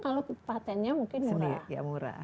kalau patentnya mungkin murah